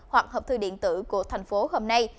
hoặc hợp thư điện tử của thành phố hôm nay